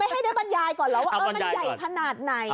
ให้ได้บรรยายก่อนเหรอว่ามันใหญ่ขนาดไหน